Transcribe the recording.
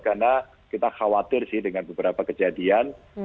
karena kita khawatir sih dengan beberapa kejadian